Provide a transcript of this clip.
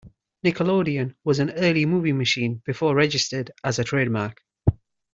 "Nickelodeon" was an early movie machine before registered as a trademark.